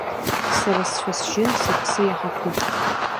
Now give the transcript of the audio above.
Сара сцәа-сжьы сыԥсы иаҳаԥуп.